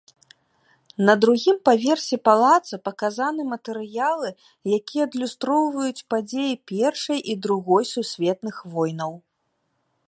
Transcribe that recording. На другім паверсе палаца паказаны матэрыялы, якія адлюстроўваюць падзеі першай і другой сусветных войнаў.